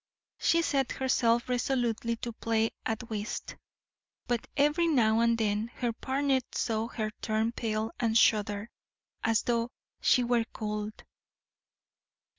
She set herself resolutely to play at whist, but every now and then her partner saw her turn pale and shudder, as though she were cold.